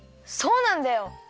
そうなんだよ。